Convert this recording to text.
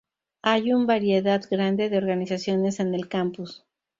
Hay un variedad grande de organizaciones en el campus.